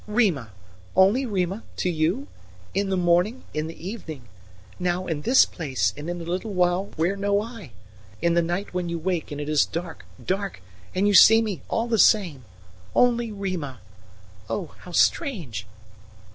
"Rima! only Rima to you? In the morning, in the evening... now in this place and in a little while where know I? ... in the night when you wake and it is dark, dark, and you see me all the same. Only Rima oh, how strange!"